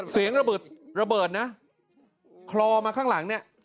เสียงระเบิดเขาคลอมาข้างหลังเนี่ย